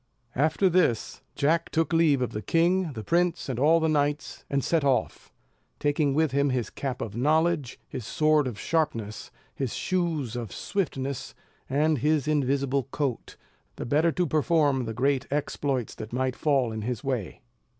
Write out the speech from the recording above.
After this Jack took leave of the king, the prince, and all the knights, and set off; taking with him his cap of knowledge, his sword of sharpness, his shoes of swiftness, and his invisible coat, the better to perform the great exploits that might fall in his way.